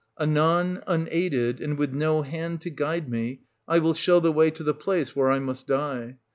Anon, unaided, and with no hand to guide me, I 1520 will show the way to the place where I must die.